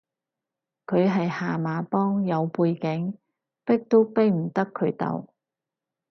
佢係蛤蟆幫，有背景，逼都逼唔得佢到